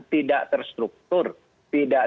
tidak terstruktur tidak